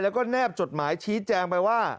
แล้วก็แนบจดหมายชี้แจงไปว่า